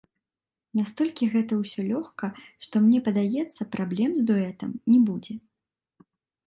Настолькі гэта ўсё лёгка, што мне падаецца, праблем з дуэтам не будзе.